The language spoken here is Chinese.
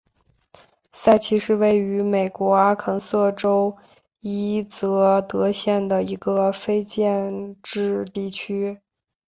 塞奇是位于美国阿肯色州伊泽德县的一个非建制地区。